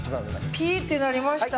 ピーって鳴りました。